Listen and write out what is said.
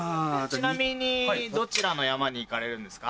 ちなみにどちらの山に行かれるんですか？